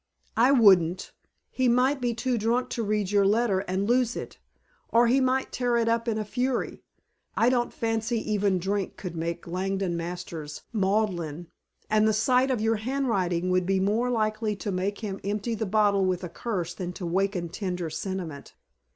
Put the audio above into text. "I wouldn't. He might be too drunk to read your letter, and lose it. Or he might tear it up in a fury. I don't fancy even drink could make Langdon Masters maudlin, and the sight of your handwriting would be more likely to make him empty the bottle with a curse than to awaken tender sentiment.